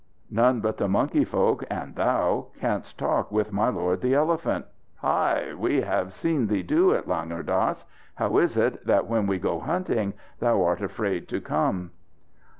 None but the monkey folk and thou canst talk with my lord the elephant. Hai! We have seen thee do it, Langur Dass. How is it that when we go hunting, thou art afraid to come?"